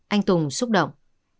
anh tùng xúc động